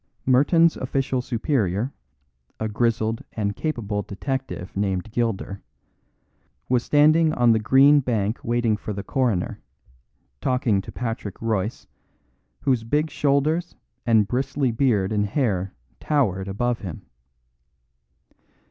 Merton's official superior, a grizzled and capable detective named Gilder, was standing on the green bank waiting for the coroner, talking to Patrick Royce, whose big shoulders and bristly beard and hair towered above him.